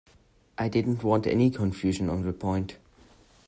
I didn't want any confusion on the point.